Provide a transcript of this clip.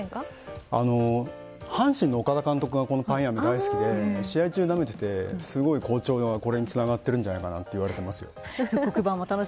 阪神の岡田監督がパインアメ大好きで試合中、なめていてすごく好調なのがこれにつながってるんじゃないのかなといわれています。